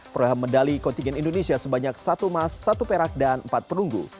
perolehan medali kontingen indonesia sebanyak satu emas satu perak dan empat perunggu